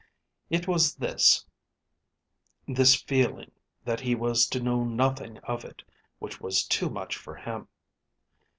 It was this, this feeling that he was to know nothing of it, which was too much for him.